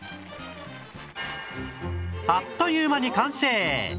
あっという間に完成！